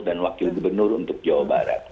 dan wakil gubernur untuk jawa barat